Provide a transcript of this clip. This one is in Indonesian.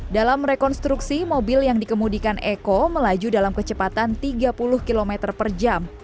dalam rekonstruksi mobil yang dikemudikan eko melaju dalam kecepatan tiga puluh km per jam